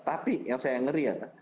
tapi yang saya ngeri adalah